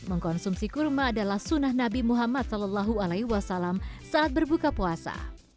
mengkonsumsi kurma adalah sunnah nabi muhammad saw saat berbuka puasa